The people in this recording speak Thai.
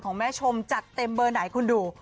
แม่ชมจัดเต็มเบอร์ไหนคุณดู